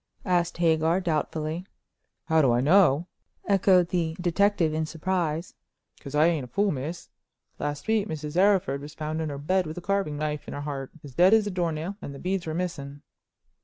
asked Hagar, doubtfully. "How do I know?" echoed the detective in surprise. "'Cause I ain't a fool, miss. Last week Mrs. Arryford was found in her bed with a carving knife in her heart, as dead as a door nail, and the beads were missing.